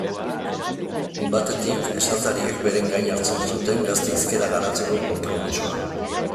Batetik, esatariek beren gain hartzen zuten gazte hizkera garatzeko konpromisoa.